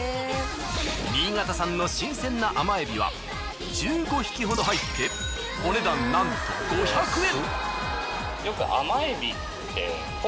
新潟産の新鮮な甘エビは１５匹ほど入ってお値段なんと５００円。